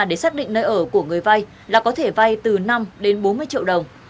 để xác định nơi ở của người vay là có thể vay từ năm đến bốn mươi triệu đồng